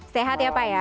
sehat ya pak ya